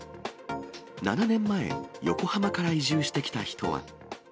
７年前、横浜から移住してきた人は。